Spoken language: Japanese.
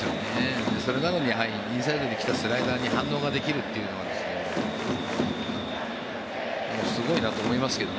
それなのにインサイドに来たスライダーに反応できるというのがすごいなと思いますけどね。